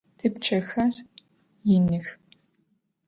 Типчъэхэр иных.